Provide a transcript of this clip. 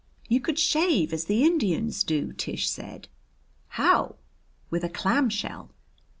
"You could shave as the Indians do," Tish said. "How?" "With a clamshell."